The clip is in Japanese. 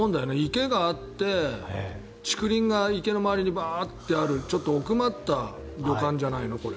池があって、竹林が池の周りにバーッとあるちょっと奥まった旅館じゃないの。